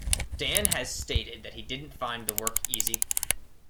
Dan has stated that he didn't find the work easy.